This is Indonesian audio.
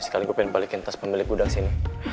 sekali gue pengen balikin tas pemilik udang sini